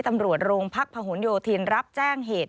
ตำรวจโรงพักพะหนโยธินรับแจ้งเหตุ